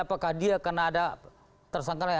apakah dia karena ada tersangkapan